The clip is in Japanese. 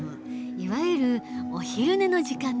いわゆるお昼寝の時間だ。